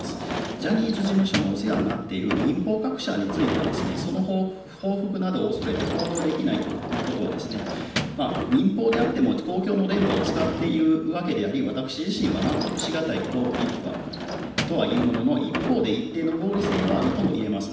ジャニーズ事務所のお世話になっている民放各社については、その報復などを恐れて報道できないということは、民放であっても、公共の電波を使っているわけであり、私自身は納得し難いとはいうものの、一方で、一定の合理性はあるともいえます。